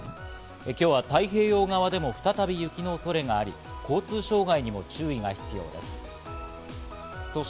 今日は太平洋側でも再び雪の恐れがあり、交通障害にも注意が必要です。